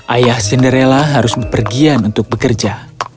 ayah cinderella harus berpergian untuk bekerja